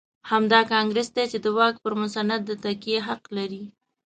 همدا کانګرېس دی چې د واک پر مسند د تکیې حق لري.